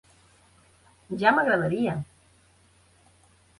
Ja m'agradaria!